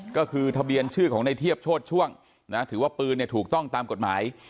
ก็คือทะเบียนชื่อของในเทียบโชธช่วงถือว่าปืนถูกต้องตามกฎหมาย